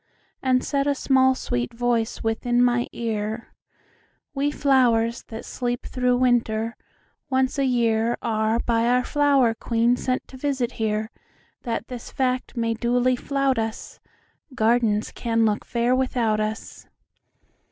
And said a small, sweet voice within my ear:"We flowers, that sleep through winter, once a yearAre by our flower queen sent to visit here, That this fact may duly flout us,—Gardens can look fair without us.